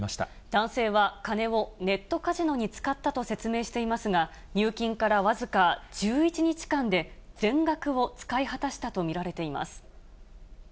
男性は金をネットカジノに使ったと説明していますが、入金から僅か１１日間で全額を使い果たしたと見られています。